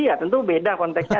ya tentu beda konteksnya